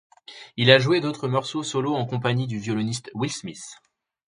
Il a joue d'autres morceaux solo en compagnie du violoniste Will Smith.